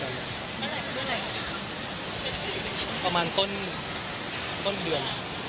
กันไหมพรุ่งไหนประมาณต้นเดือน